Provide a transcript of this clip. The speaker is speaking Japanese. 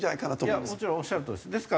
もちろんおっしゃるとおりです。